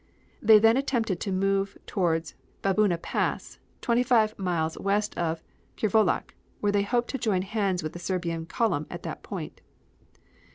They then attempted to move toward Babuna Pass, twenty five miles west of Krivolak, where they hoped to join hands with the Serbian column at that point.